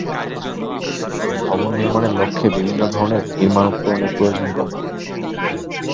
ভবন নির্মাণের লক্ষ্যে বিভিন্ন ধরনের নির্মাণ উপকরণের প্রয়োজন পড়ে।